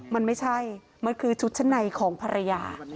มันไม่ใช่มันคือชุดชั้นในของภรรยา